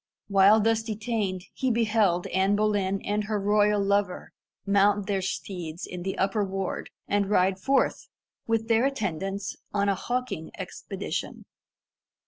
While thus detained, he beheld Anne Boleyn and her royal lover mount their steeds in the upper ward, and ride forth, with their attendants, on a hawking expedition.